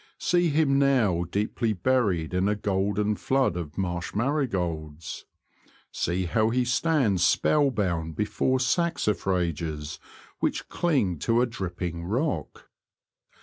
See him now deeply buried in a golden flood of marsh marigolds ! See how he stands spell bound before saxifrages which cling to a dripping rock.